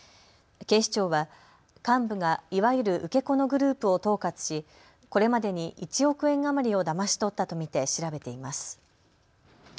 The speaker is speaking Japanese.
警視庁は幹部がいわゆる受け子のグループを統括しこれまでに１億円余りをだまし取ったと見て調べています。